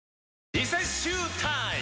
リセッシュータイム！